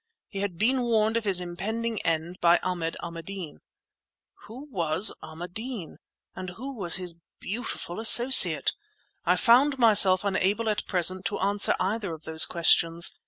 He had been warned of his impending end by Ahmad Ahmadeen. Who was Ahmadeen? And who was his beautiful associate? I found myself unable, at present, to answer either of those questions.